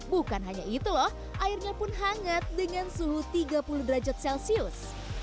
bukan hanya itu loh airnya pun hangat dengan suhu tiga puluh derajat celcius